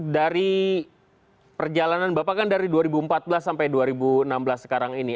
dari perjalanan bapak kan dari dua ribu empat belas sampai dua ribu enam belas sekarang ini